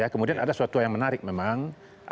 kemudian ada suatu yang menarik memang